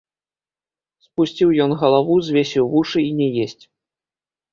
Спусціў ён галаву, звесіў вушы і не есць.